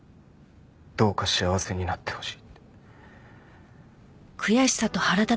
「どうか幸せになってほしい」